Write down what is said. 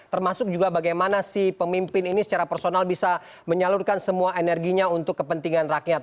termasuk juga bagaimana si pemimpin ini secara personal bisa menyalurkan semua energinya untuk kepentingan rakyat